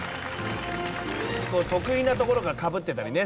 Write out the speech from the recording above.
得意なところがかぶってたりね。